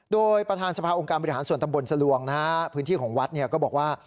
โดยประธานสภาองค์การบริหารส่วนตำบลสลวงพื้นที่ของวัดก็บอกว่า